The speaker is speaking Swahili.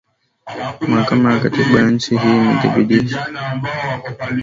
mahakama ya katiba ya nchi hiyo imethibitisha